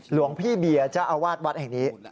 หลวงพี่เบียร์เจ้าอาวาสวัดแห่งนี้